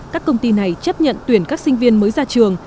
các công ty này chấp nhận tuyển các sinh viên mới ra trường